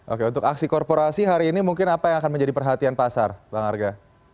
oke untuk aksi korporasi hari ini mungkin apa yang akan menjadi perhatian pasar bang arga